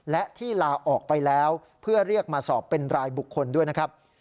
และที่ลาออกไปแล้วเพื่อเรียกมาสอบเป็นรายบุคคลด้วยนะครับ